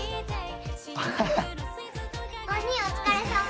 お兄お疲れさま。